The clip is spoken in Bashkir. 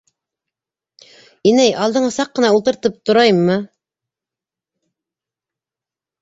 - Инәй, алдыңа саҡ ҡына ултырып торайыммы?